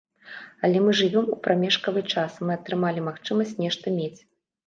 Але мы жывём у прамежкавы час, мы атрымалі магчымасць нешта мець.